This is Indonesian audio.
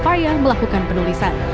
susah payah melakukan penulisan